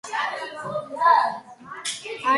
არის თანამედროვე მუსიკალური ავანგარდის ერთ-ერთი ლიდერი.